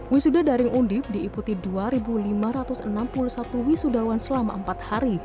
wisuda daring undip diikuti dua lima ratus enam puluh satu wisudawan selama empat hari